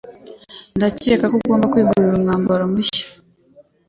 Ndatekereza ko ugomba kwigurira umwambaro mushya.